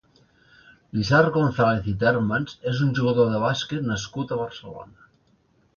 Lisard Gonzàlez i Termens és un jugador de bàsquet nascut a Barcelona.